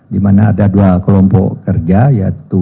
dimana ada dua kelompok kerja yaitu